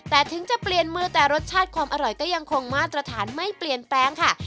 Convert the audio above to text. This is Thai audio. แต่ถึงจะเปลี่ยนมือแต่รสชาติความอร่อยก็ยังคงมาตรฐานไม่เปลี่ยนแปลงค่ะ